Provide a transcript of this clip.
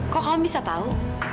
kok kamu bisa tau